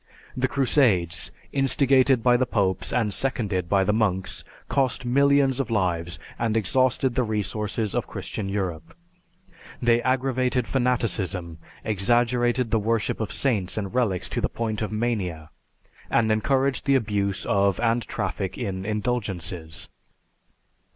The Crusades, instigated by the popes and seconded by the monks, cost millions of lives and exhausted the resources of Christian Europe; they aggravated fanaticism, exaggerated the worship of saints and relics to the point of mania, and encouraged the abuse of and traffic in indulgences.